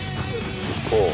こう。